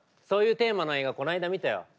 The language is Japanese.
そういうテーマの映画この間見たよ。